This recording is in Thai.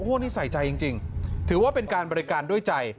โอ้โหนี่ใส่ใจจริงถือว่าเป็นการบริการด้วยใจ